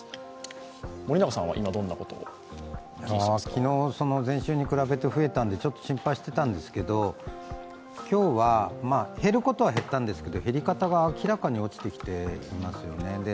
昨日、前週に比べて増えたのでちょっと心配してたんですけど、今日は、減ることは減ったんですけど、減り方が明らかに落ちてきていますよね。